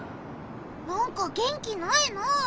なんか元気ないなあ。